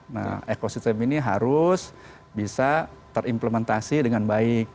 nah ekosistem ini harus bisa terimplementasi dengan baik